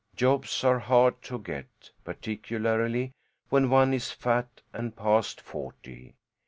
Jobs are hard to get, particularly when one is fat and past forty.